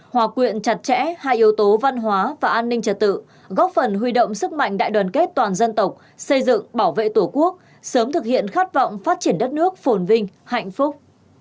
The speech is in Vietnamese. hòa quyện chặt chẽ hai yếu tố văn hóa và an ninh trật tự góp phần huy động sức mạnh đại đoàn kết toàn dân tộc xây dựng bảo vệ tổ quốc sớm thực hiện khát vọng phát triển đất nước phồn vinh hạnh phúc